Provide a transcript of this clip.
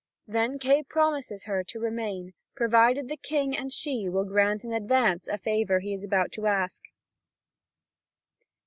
Then Kay promises her to remain, provided the King and she will grant in advance a favour he is about to ask.